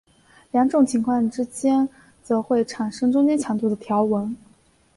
两种情况之间则会产生中间强度的条纹。